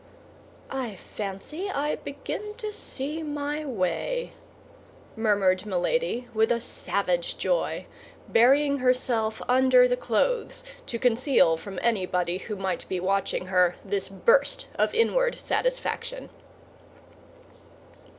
"I fancy I begin to see my way," murmured Milady, with a savage joy, burying herself under the clothes to conceal from anybody who might be watching her this burst of inward satisfaction.